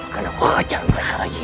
karena aku ajar mereka rayi